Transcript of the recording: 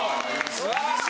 素晴らしい！